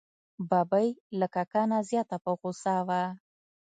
ببۍ له کاکا نه زیاته په غوسه وه.